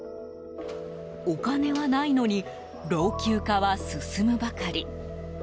お金はないのに老朽化は進むばかり。